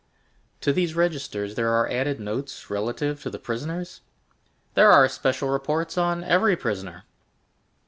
"To these registers there are added notes relative to the prisoners?" "There are special reports on every prisoner."